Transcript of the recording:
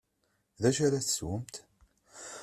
D acu ara teswemt?